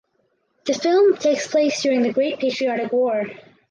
The film takes place during the Great Patriotic War.